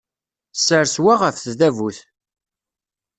Ssers wa ɣef tdabut.